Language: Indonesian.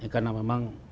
karena memang kita